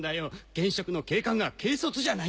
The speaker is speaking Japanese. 現職の警官が軽率じゃないか。